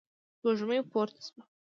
سپوږمۍ پورته شوه.